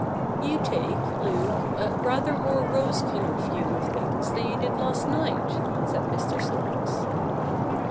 ' You take, Luke, a rather more rose coloured view of things than you did last night,' said Mr. Storks.